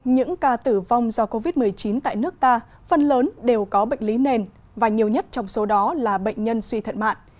những ca tử vong do covid một mươi chín tại nước ta phần lớn đều có bệnh lý nền và nhiều nhất trong số đó là bệnh nhân suy thận mạng